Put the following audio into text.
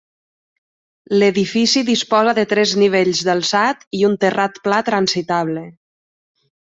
L'edifici disposa de tres nivells d'alçat i un terrat pla transitable.